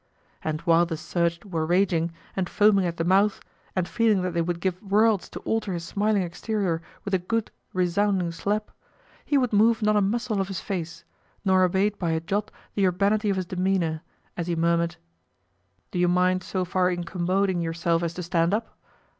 And while the searched were raging, and foaming at the mouth, and feeling that they would give worlds to alter his smiling exterior with a good, resounding slap, he would move not a muscle of his face, nor abate by a jot the urbanity of his demeanour, as he murmured, "Do you mind so far incommoding yourself as to stand up?"